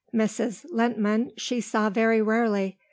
Mrs. Lehntman she saw very rarely.